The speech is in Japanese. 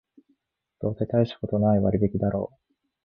どうせたいしたことない割引だろう